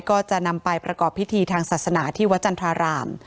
ก็จะนำไปประกอบพิธีทางศาสนาที่วัดจันทราราม